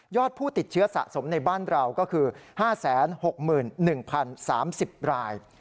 ผู้ติดเชื้อสะสมในบ้านเราก็คือ๕๖๑๐๓๐ราย